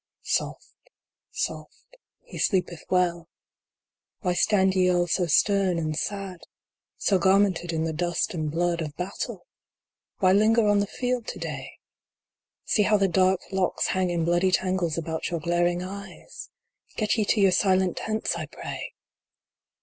II. Soft, soft, he sleepeth well. Why stand ye all so stern and sad ? So garmented in the dust and blood of battle ? Why linger on the field to day? See how the dark locks hang in bloody tangles about your glaring eyes ! Get ye to your silent tents, I pray